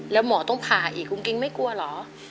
แล้วหมอต้องผ่าอีกกุ้งกิ๊งไม่กลัวเหรอ